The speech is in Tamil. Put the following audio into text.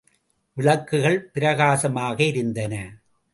விளக்குகள் பிரகாசமாக எரிந்தன.